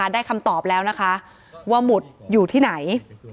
ได้คำตอบแล้วนะคะว่าหมุดอยู่ที่ไหน